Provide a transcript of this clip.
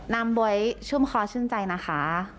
บ๊วยชุ่มคอชื่นใจนะคะ